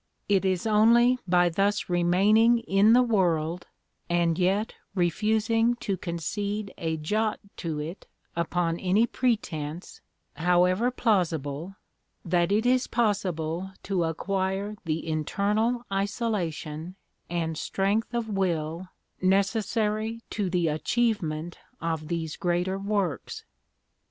It is only by thus remaining in the world, and yet refusing to concede a jot to it upon any pretence, however plausible, that it is possible to acquire the internal isolation and strength of will necessary to the achievement of 'these greater works.'